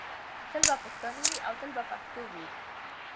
تل به پښتانه وي او تل به پښتو وي.